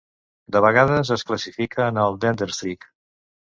De vegades es classifica en el Denderstreek.